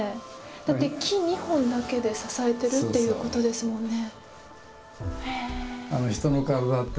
だって木２本だけで支えてるっていうことですもんね。